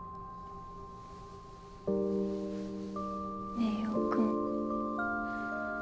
ねえ陽君。